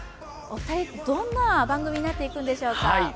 どんな番組になっていくんでしょうか。